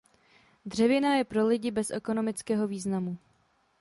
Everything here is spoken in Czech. Dřevina je pro lidi bez ekonomického významu.